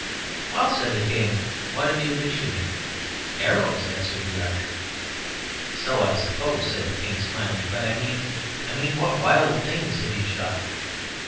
"Well," said the king, "what have you been shooting?" "Arrows," answered the archer. "So I suppose," said the king smiling; "but I mean, I mean what wild things have you shot?"